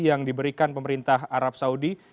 yang diberikan pemerintah arab saudi